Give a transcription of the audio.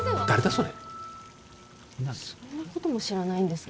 そんなことも知らないんですか